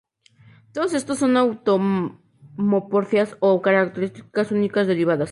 Todos estos son autapomorfias, o características únicas derivadas.